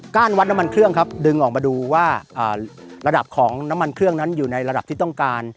วัดน้ำมันเครื่องครับดึงออกมาดูว่าระดับของน้ำมันเครื่องนั้นอยู่ในระดับที่ต้องการ